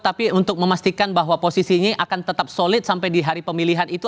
tapi untuk memastikan bahwa posisinya akan tetap solid sampai di hari pemilihan itu